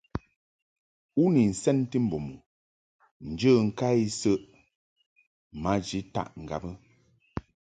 U ni nsɛnti mbum u njə ŋka isəʼɨ maji taʼ ŋgab?